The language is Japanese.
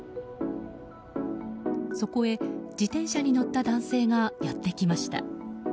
そこへ、自転車に乗った男性がやってきました。